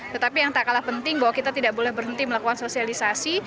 tetapi yang tak kalah penting bahwa kita tidak boleh berhenti melakukan sosialisasi